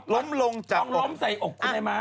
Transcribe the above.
ล้มลงจากอก